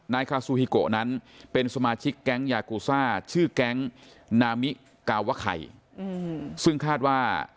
นายคาซูฮิโกะนั้นเป็นสมาชิกแก๊งยากูซ่าชื่อแก๊งซึ่งคาดว่า